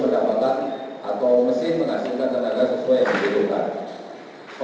pengaturan ini akan menggerakkan throttle